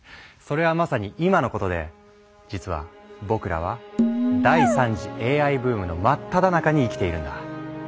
それはまさに今のことで実は僕らは第３次ＡＩブームのまっただ中に生きているんだ。